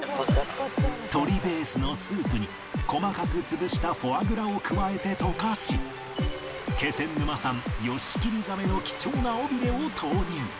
鶏ベースのスープに細かく潰したフォアグラを加えて溶かし気仙沼産ヨシキリザメの貴重な尾ビレを投入